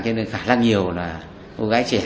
nên khả năng nhiều là cô gái trẻ